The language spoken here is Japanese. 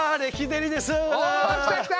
来た来た！